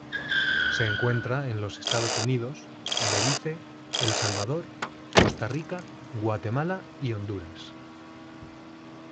Se encuentra en los Estados Unidos, Belice, El Salvador, Costa Rica, Guatemala y Honduras.